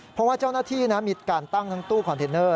เพราะว่าเจ้าหน้าที่มีการตั้งทั้งตู้คอนเทนเนอร์